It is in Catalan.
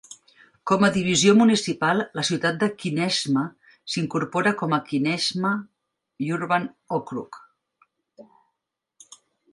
Com a divisió municipal, la ciutat de Kineshma s'incorpora com a Kineshma Urban Okrug.